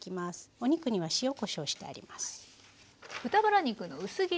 お肉には塩・こしょうしてあります。